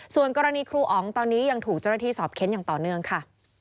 ส่วนกรณีครูอ๋องตอนนี้ยังถูกเจ้าหน้าที่สอบเค้นอย่างต่อเนื่องค่ะ